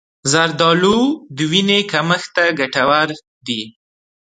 زردآلو د وینې کمښت ته ګټور دي.